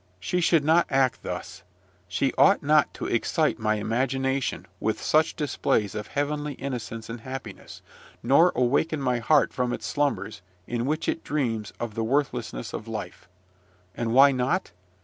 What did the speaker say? She should not act thus. She ought not to excite my imagination with such displays of heavenly innocence and happiness, nor awaken my heart from its slumbers, in which it dreams of the worthlessness of life! And why not?